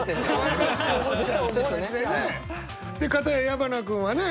片や矢花君はね